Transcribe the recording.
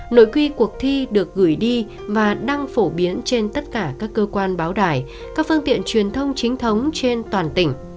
nội quy cuộc thi được gửi đi và đang phổ biến trên tất cả các cơ quan báo đài các phương tiện truyền thông chính thống trên toàn tỉnh